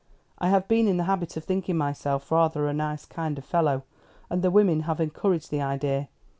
I have been in the habit of thinking myself rather a nice kind of fellow, and the women have encouraged the idea.